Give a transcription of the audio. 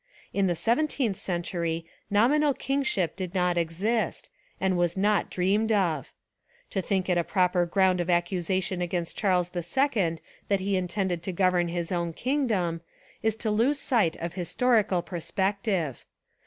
In the seventeenth century nominal kingship did not exist, and was not dreamed of. To think it a proper ground of accusation against Charles II that he in tended to govern his own kingdom, is to lose sight of historical perspective.